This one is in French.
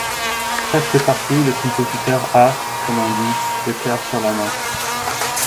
Presque partout le compositeur a, comme on dit, le cœur sur la main.